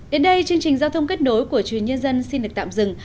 đến đây chương trình giao thông kết nối của truyền nhân dân xin được tạm dừng